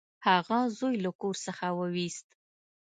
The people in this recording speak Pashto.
هغه زوی له کور څخه وویست.